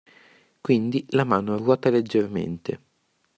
Quindi la mano ruota leggermente.